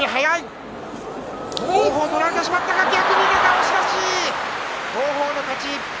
押し出し、王鵬の勝ち。